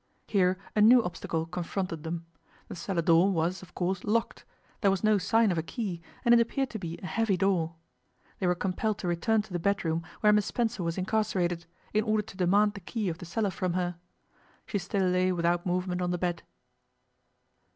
Here a new obstacle confronted them. The cellar door was, of course, locked; there was no sign of a key, and it appeared to be a heavy door. They were compelled to return to the bedroom where Miss Spencer was incarcerated, in order to demand the key of the cellar from her. She still lay without movement on the bed.